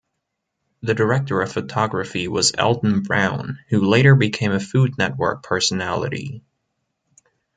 The director of photography was Alton Brown, who later became a Food Network personality.